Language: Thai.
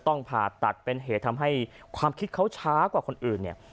ผ่าตัดเป็นเหตุทำให้ความคิดเขาช้ากว่าคนอื่นเนี่ย